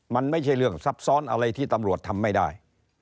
มันไม่ใช่เรื่องซับซ้อนอะไรที่ตำรวจทำไม่ได้